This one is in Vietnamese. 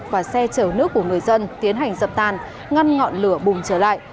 và xe chở nước của người dân tiến hành dập tàn ngăn ngọn lửa bùng trở lại